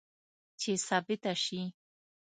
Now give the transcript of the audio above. چې ثابته شي